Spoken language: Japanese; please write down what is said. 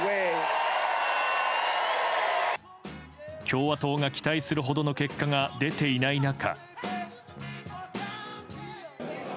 共和党が期待するほどの結果が出ていない中。